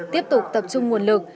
tiếp tục tập trung nguồn lực